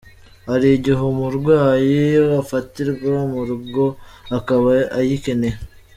Hari igihe umurwayi afatirwa mu rugo akaba ayikeneye.